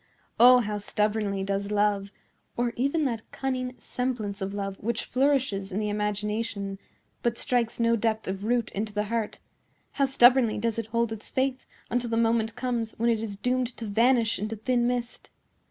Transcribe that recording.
Oh, how stubbornly does love,—or even that cunning semblance of love which flourishes in the imagination, but strikes no depth of root into the heart,—how stubbornly does it hold its faith until the moment comes when it is doomed to vanish into thin mist!